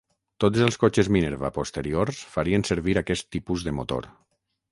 Tots els cotxes Minerva posteriors farien servir aquest tipus de motor.